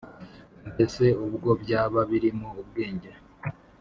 mbese ubwo byaba birimo ubwenge